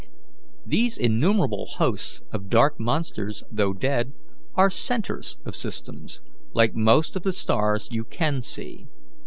These innumerable hosts of dark monsters, though dead, are centres of systems, like most of the stars you can see.